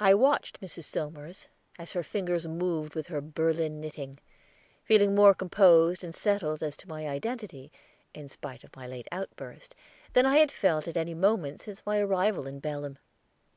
I watched Mrs. Somers, as her fingers moved with her Berlin knitting, feeling more composed and settled as to my identity, in spite of my late outburst, than I had felt at any moment since my arrival in Belem.